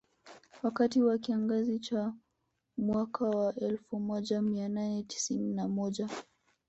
Wakati wa kiangazi cha mwaka wa elfu moja mia nane tisini na moja